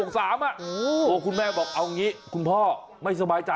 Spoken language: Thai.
ตัวคุณแม่บอกเอาอย่างนี้คุณพ่อไม่สบายใจ